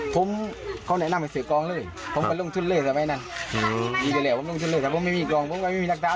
ผมก็ไม่มีมันทานทุกวันเหนียวโมจันทีไม่เหลือ